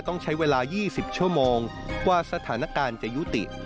ต้องใช้เวลา๒๐ชั่วโมงกว่าสถานการณ์จะยุติ